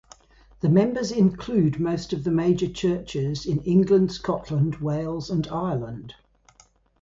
The members include most of the major churches in England, Scotland, Wales and Ireland.